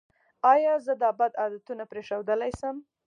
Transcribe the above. ایا زه دا بد عادتونه پریښودلی شم؟